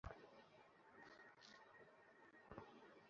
একটা ভাগে আছে চিরায়ত বলবিদ্যা, এটার কারবার হলো বড়দের জগতে।